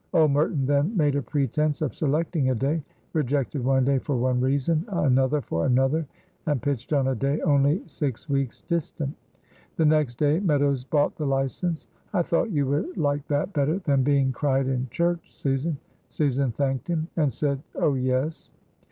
Old Merton then made a pretense of selecting a day. Rejected one day for one reason, another for another, and pitched on a day only six weeks distant. The next day Meadows bought the license. "I thought you would like that better than being cried in church, Susan." Susan thanked him and said, "Oh, yes."